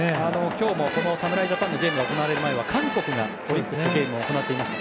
今日も侍ジャパンのゲームが行われる前は韓国がオリックスとゲームを行っていました。